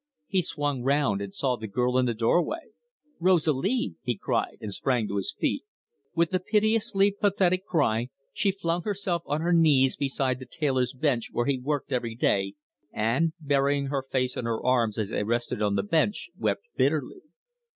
He swung round, and saw the girl in the doorway. "Rosalie!" he cried, and sprang to his feet. With a piteously pathetic cry, she flung herself on her knees beside the tailor's bench where he worked every day, and, burying her face in her arms as they rested on the bench, wept bitterly.